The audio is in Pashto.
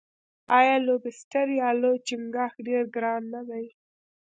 آیا لوبسټر یا لوی چنګاښ ډیر ګران نه دی؟